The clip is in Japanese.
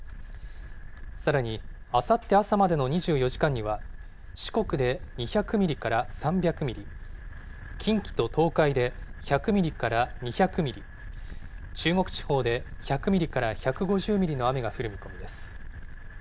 さらにあさって朝までの２４時間には、四国で２００ミリから３００ミリ、近畿と東海で１００ミリから２００ミリ、中国地方で１００ミリから１５０ミリの雨が降る見込みです。